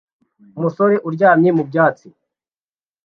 Umusore uryamye mu byatsi